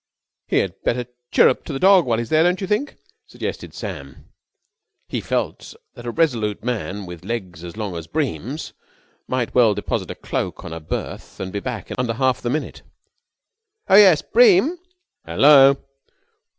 "He had better chirrup to the dog while he's there, don't you think?" suggested Sam. He felt that a resolute man with legs as long as Bream's might well deposit a cloak on a berth and be back under the half minute. "Oh, yes! Bream!" "Hello?"